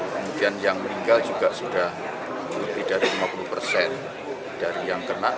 kemudian yang meninggal juga sudah lebih dari lima puluh persen dari yang kena